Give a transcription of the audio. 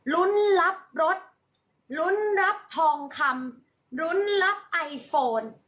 ลุ้นรับรถลุ้นรับทองคำลุ้นรับไอโฟน